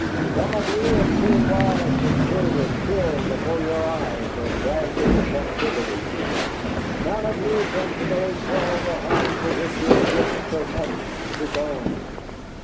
Some of you have seen wives and children killed before your eyes or dragged into captivity. None of you can to day call the home for which he has risked so much his own.